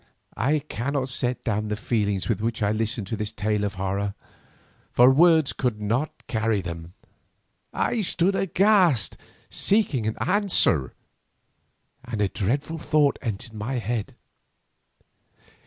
I cannot set down the feelings with which I listened to this tale of horror, for words could not carry them. I stood aghast seeking an answer, and a dreadful thought entered my mind.